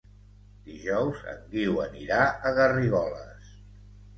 Dijous en Guiu anirà a Garrigoles.